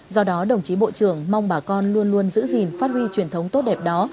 do đó đồng chí bộ trưởng mong bà con luôn luôn giữ gìn phát huy truyền thống tốt đẹp đó